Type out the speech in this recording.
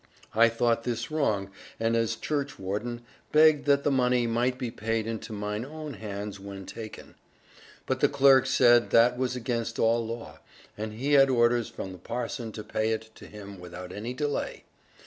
I thought this wrong; and as churchwarden, begged that the money might be paid into mine own hands when taken. But the clerk said that was against all law; and he had orders from the parson to pay it to him without any delay.